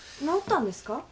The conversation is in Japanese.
直ったんですか？